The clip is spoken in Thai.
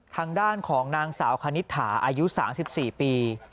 ทางด้านของนางสาวคณิตถาอายุ๓๔ปี